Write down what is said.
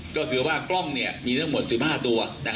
ก็คือว่ากล้องมีทั้งหมด๑๕ตัว